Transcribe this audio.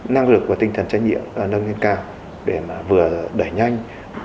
năng lực và tinh thần trách nhiệm nâng lên cao để mà vừa đẩy nhanh